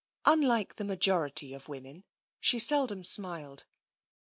Unlike the majority of women, she seldom smiled.